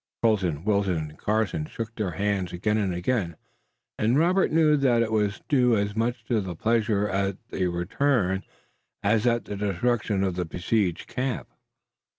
Colden, Wilton and Carson shook their hands again and again and Robert knew that it was due as much to pleasure at the return as at the destruction of the besieging camp.